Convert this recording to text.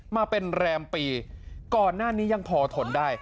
มาเป็นแรมปีก่อนหน้านี้ยังพอทนได้